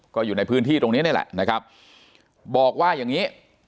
ก็อยู่ในพื้นที่ตรงนี้นี่แหละนะครับบอกว่าอย่างงี้